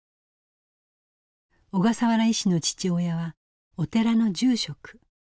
小笠原医師の父親はお寺の住職。